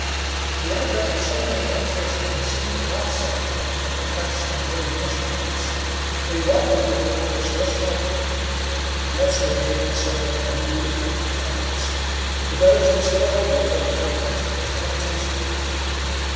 The advent of so many frontiersmen seemed a godsend to the perplexed and worried missionaries. They welcomed the newcomers most heartily. Beds were made in several of the newly erected cabins; the village was given over for the comfort of the frontiersmen.